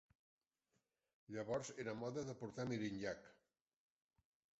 Llavors era moda de portar mirinyac.